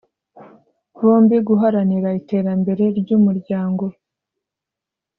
bombi guharanira iterambere ry’umuryango